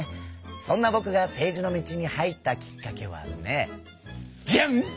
そんなぼくが政治の道に入ったきっかけはねジャン！